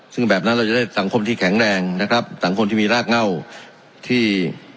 ซึ่งแบบนั้นเราจะได้สังคมที่แข็งแรงนะครับสังคมที่มีรากเง่าที่